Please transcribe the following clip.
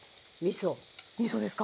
みそですか。